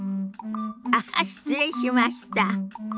あっ失礼しました。